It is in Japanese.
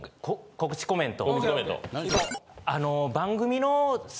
告知コメント。